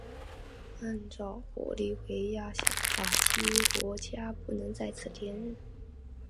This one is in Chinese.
按照玻利维亚宪法基罗加不能再次连任。